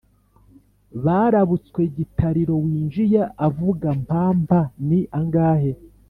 barabutswe gitariro winjiye avuga mpa, mpa ni angahe